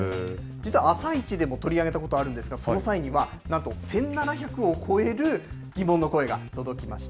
実はあさイチでも取り上げたことあるんですが、その際には、なんと１７００を超える疑問の声が届きました。